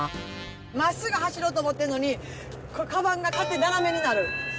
まっすぐ走ろうと思ってんのに、かばんが勝手に斜めになる。